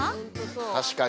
◆確かに。